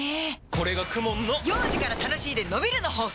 これがＫＵＭＯＮの幼児から楽しいでのびるの法則！